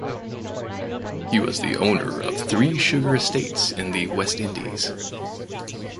He was the owner of three sugar estates in the West Indies.